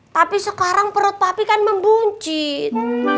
tapi sekarang perut papi kan membuncin